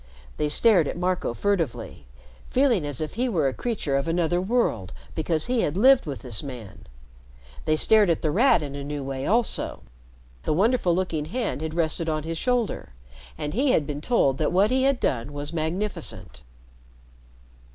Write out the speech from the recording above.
They stared at Marco furtively, feeling as if he were a creature of another world because he had lived with this man. They stared at The Rat in a new way also. The wonderful looking hand had rested on his shoulder, and he had been told that what he had done was magnificent.